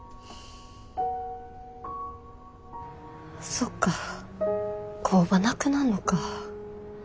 そっか工場なくなんのか。